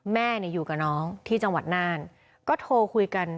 แม่อยู่กับน้องที่จังหวัดน่านก็โทรคุยกัน